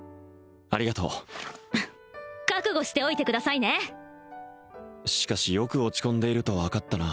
ありがとう覚悟しておいてくださいねしかしよく落ち込んでいると分かったな